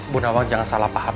bunda wang jangan salah paham